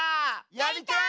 やりたい！